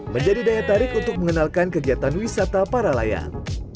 menjadi daya tarik untuk mengenalkan kegiatan wisata para layang